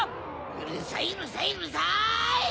うるさいうるさいうるさい！